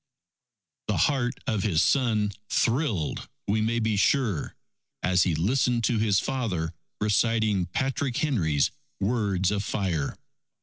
The heart of his son thrilled, we may be sure, as he listened to his father reciting Patrick Henry's words of fire.